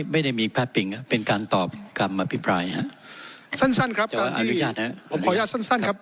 ไม่ได้มีเป็นการตอบกรรมอภิปรายครับสั้นครับสั้นครับ